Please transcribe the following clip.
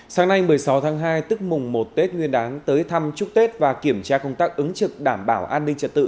sáng nay một mươi sáu tháng hai tức mùng một tết nguyên đán tới thăm chúc tết và kiểm tra công tác ứng trực đảm bảo an ninh trật tự